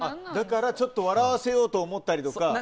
だからちょっと笑わせようと思ったりとか。